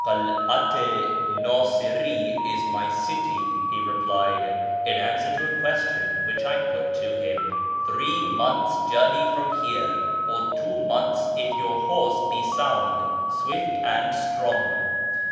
" Karat i Nasiri is my city," he replied, in answer to a question whicli I put to him ;" three months' journey from here, or two months if your horse be sound, swift, and strong.